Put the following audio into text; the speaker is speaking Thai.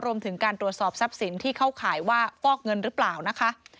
รวมถึงการตรวจสอบทรัพย์สินที่เข้าข่ายว่าฟอกเงินหรือเปล่านะคะ